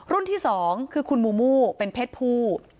รุ่นที่๒คือคุณมูมูเป็นเพชรภู